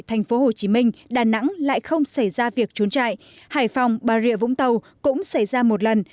thành phố hồ chí minh đà nẵng lại không xảy ra việc trốn chạy hải phòng bà rịa vũng tàu cũng xảy ra một lần